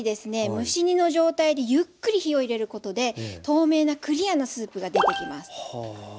蒸し煮の状態でゆっくり火を入れることで透明なクリアなスープが出てきます。